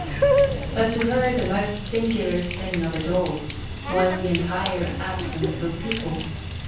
But to her the most singular thing of all was the entire absence of people.